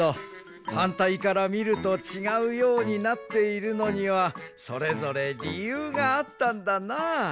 はんたいからみるとちがうようになっているのにはそれぞれりゆうがあったんだなあ。